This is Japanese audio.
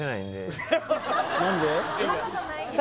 そんなことないよ